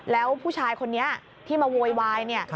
แล้วผู้ชายคนนี้ที่มาโวยวายเนี่ย